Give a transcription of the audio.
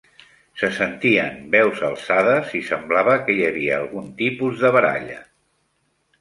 Se sentien veus alçades i semblava que hi havia algun tipus de baralla.